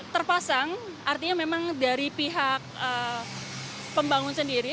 terpasang artinya memang dari pihak pembangun sendiri